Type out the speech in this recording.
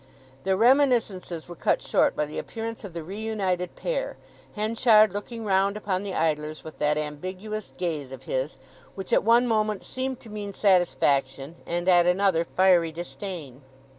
Their reminiscences were cut short by the appearance of the reunited pair—Henchard looking round upon the idlers with that ambiguous gaze of his, which at one moment seemed to mean satisfaction, and at another fiery disdain.